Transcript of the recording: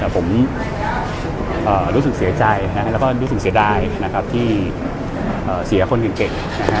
ผมรู้สึกเสียใจแล้วก็รู้สึกเสียดายที่เสียคนเก่ง